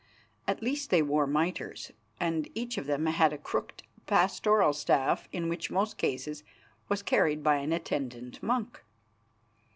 At least they wore mitres, and each of them had a crooked pastoral staff which in most cases was carried by an attendant monk.